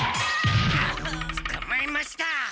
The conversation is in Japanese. つかまえました！